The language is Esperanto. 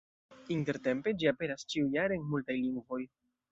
Intertempe ĝi aperas ĉiujare en multaj lingvoj.